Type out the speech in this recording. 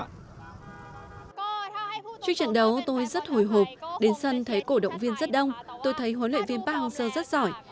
trước trận đấu tôi rất hồi hộp đến sân thấy cổ động viên rất đông tôi thấy huấn luyện viên park hang seo rất giỏi